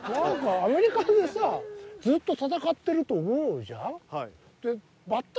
アメリカでさずっと戦ってると思うじゃん。